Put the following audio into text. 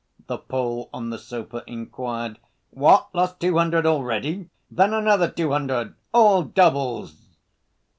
the Pole on the sofa inquired. "What? Lost two hundred already? Then another two hundred! All doubles!"